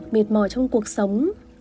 mệt mỏi trong cuộc sống